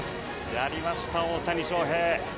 やりました、大谷翔平。